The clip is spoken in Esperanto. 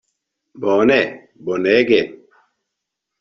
Bone, bonege!